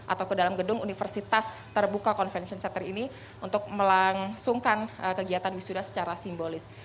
atau ke dalam gedung universitas terbuka convention center ini untuk melangsungkan kegiatan wisuda secara simbolis